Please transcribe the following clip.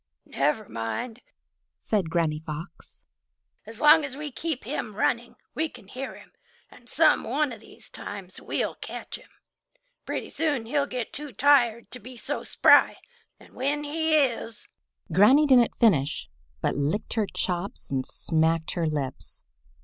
"Never mind," said Granny Fox, "as long as we keep him running, we can hear him, and some one of these times we'll catch him. Pretty soon he'll get too tired to be so spry, and when he is—" Granny didn't finish, but licked her chops and smacked her lips.